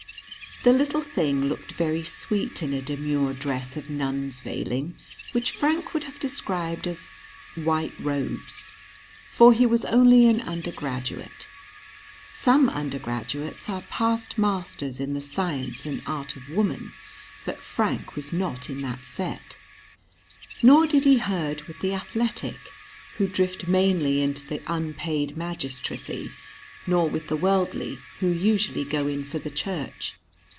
The little thing looked very sweet in a demure dress of nun's veiling, which Frank would have described as "white robes." For he was only an undergraduate. Some undergraduates are past masters in the science and art of woman; but Frank was not in that set. Nor did he herd with the athletic, who drift mainly into the unpaid magistracy, nor with the worldly, who usually go in for the church.